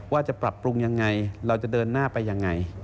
ว่าจะปรับปรุงยังไงเราจะเดินหน้าไปยังไง